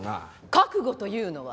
覚悟というのは？